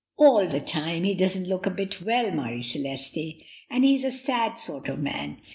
All the same, he doesn't look a bit well, Marie Celeste, and he's a sad sort of man.